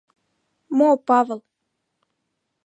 Мо Павыл?